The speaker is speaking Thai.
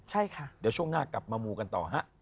เดี๋ยวช่วงหน้ากลับมามูกันต่อ